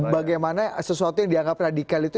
bagaimana sesuatu yang dianggap radikal itu